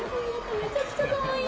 めちゃくちゃかわいい。